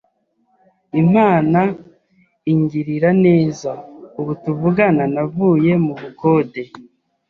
Imana ingirira neza, ubu tuvugana navuye mu bukode,